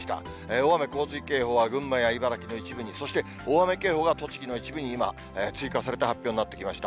大雨洪水警報は群馬や茨城の一部に、そして大雨警報が栃木の一部に今、追加されて発表になってきました。